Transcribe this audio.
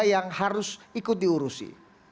yang harus ikut diurusi